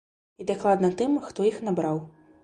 І дакладна тым, хто іх набраў.